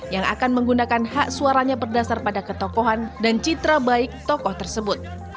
yang akan menggunakan hak suaranya berdasar pada ketokohan dan citra baik tokoh tersebut